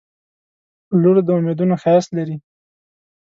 • لور د امیدونو ښایست لري.